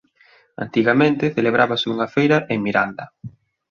Antigamente celebrábase unha feira en Miranda.